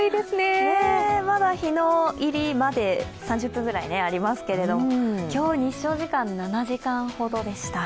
まだ日の入りまで３０分ぐらいありますけれども、今日、日照時間７時間ほどでした。